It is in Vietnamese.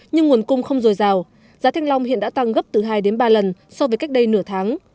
nhưng nguồn cung không dồi dào giá thanh long hiện đã tăng gấp từ hai đến ba lần so với cách đây nửa tháng